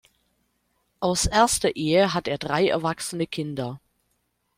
Aus erster Ehe hat er drei erwachsene Kinder.